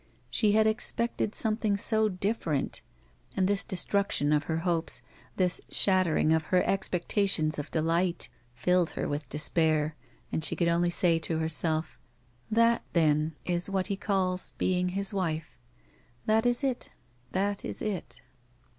She had expected something so different, and this destruction of her hopes, this shattering of her ex pectations of delight, filled her with despair, and she could only say to herself: That, then, is what he calls being his wife ; that is it, that is it."